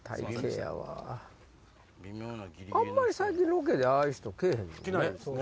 あんまり最近ロケでああいう人来ぇへんよね。